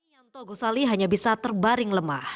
yanto gosali hanya bisa terbaring lemah